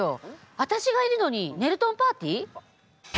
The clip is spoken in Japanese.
わたしがいるのにねるとんパーティー？